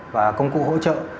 và công cụ hỗ trợ